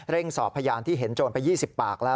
สอบพยานที่เห็นโจรไป๒๐ปากแล้ว